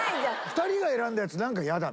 ２人が選んだやつなんかやだ。